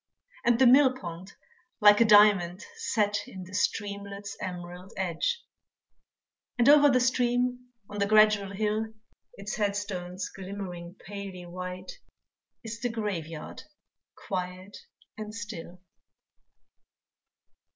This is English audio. And the mill pond like a diamond set In the streamlet's emerald edge; And over the stream on the gradual hill, Its headstones glimmering palely white, Is the graveyard quiet and still.